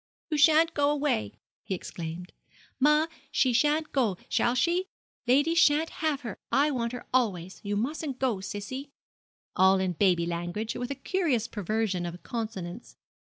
'You shan't go away!' he exclaimed. 'Ma, she shan't go, shall she? lady shan't have her; I want her always; you mustn't go, sissie,' all in baby language, with a curious perversion of consonants.